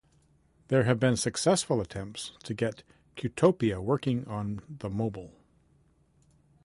There have been successful attempts to get Qtopia working on the mobile.